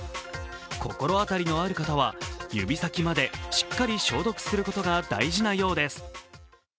心当たりのある方は指先までしっかり消毒することが大事なようです。